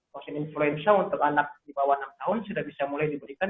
vaksin influenza untuk anak di bawah enam tahun sudah bisa mulai diberikan